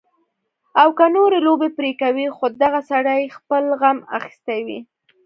او کۀ نورې لوبې پرې کوي خو دغه سړے خپل غم اخستے وي